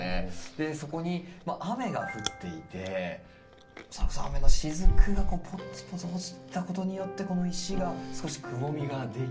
そこに雨が降っていてその雨の滴がポツポツ落ちたことによってこの石が少しくぼみができて。